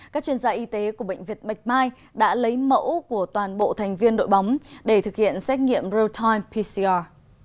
các chuyên gia y tế của bệnh viện bạch mai đã lấy mẫu của toàn bộ thành viên đội bóng để thực hiện xét nghiệm real time pcr